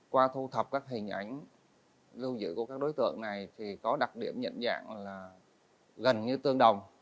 qua thu thập các hình ảnh lưu giữ của các đối tượng này thì có đặc điểm nhận dạng là gần như tương đồng